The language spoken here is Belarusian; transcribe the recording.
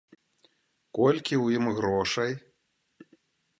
Колькі ў ім грошай?